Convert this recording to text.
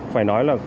phải nói là